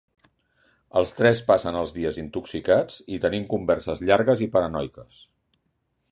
Els tres passen els dies intoxicats i tenint converses llargues i paranoiques.